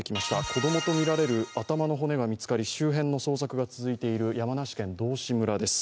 子供と見られる頭の骨が見つかり周辺の捜索が続いている山梨県道志村です。